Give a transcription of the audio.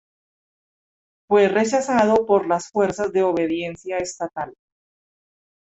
Fue rechazado por las fuerzas de obediencia estatal.